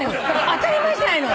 当たり前じゃないの！